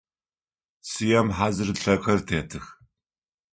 Цыем хьазырылъэхэр тетых.